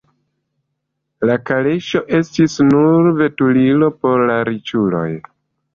La kaleŝo estis nur veturilo por la riĉuloj.